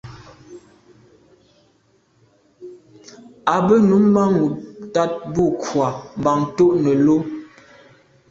A be num manwù mars bo avril mban to’ nelo.